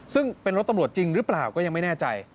ซึ่งเป็นรถตำรวจจริงหรือเปล่าก็ยังไม่แน่ใจ